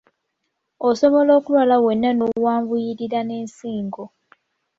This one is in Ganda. Osobola okulwala wenna n'owanvuyirira n'ensingo.